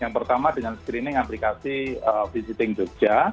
yang pertama dengan screening aplikasi visiting jogja